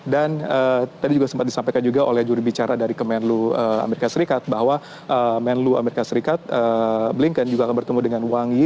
dan tadi juga sempat disampaikan juga oleh jurubicara dari kemenlu amerika serikat bahwa menlu amerika serikat blinken juga akan bertemu dengan wang yi